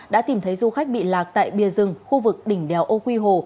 đã tìm thấy du khách bị lạc tại bìa rừng khu vực đỉnh đèo âu quy hồ